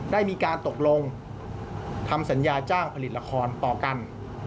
ได้มีการตกลงทำสัญญาจ้างผลิตละครต่อกัน